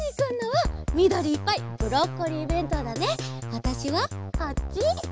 わたしはこっち。